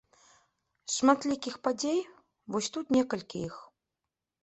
З шматлікіх падзей, вось тут некалькі іх.